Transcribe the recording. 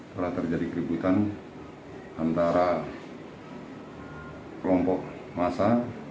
telah terjadi keributan antara kelompok masa